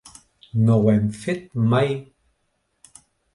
No ho hem fet mai.